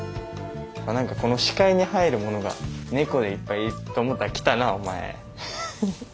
まあ何かこの視界に入るものが猫でいっぱいと思ったら来たなお前。